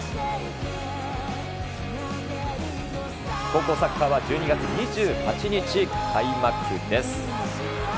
高校サッカーは１２月２８日開幕です。